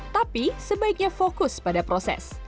tapi sebaiknya fokus pada proses